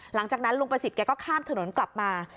หลังจากนั้นลุงประสิทธิ์แกก็ข้ามถนนกลับมา